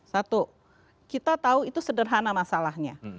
satu kita tahu itu sederhana masalahnya